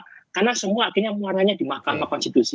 karena semua akhirnya menguarnanya di mk